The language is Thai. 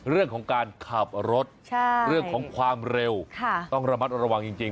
เรื่องของการขับรถเรื่องของความเร็วต้องระมัดระวังจริง